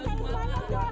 tanggapan sedikit pak